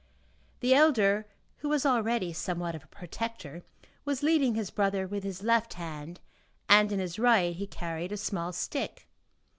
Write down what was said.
The elder, who was already somewhat of a protector, was leading his brother with his left hand and in his right he carried a small stick.